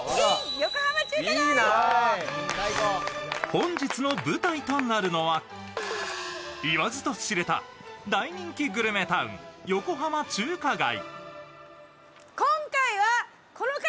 本日の舞台となるのは言わずと知れた大人気グルメタウン横浜中華街。